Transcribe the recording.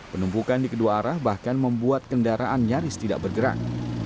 penumpukan di kedua arah bahkan membuat kendaraan nyaris tidak bergerak